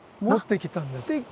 もってきたんです。